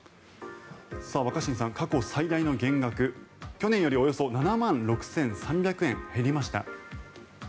若新さん、過去最大の減額去年よりおよそ７万６３００円減りました。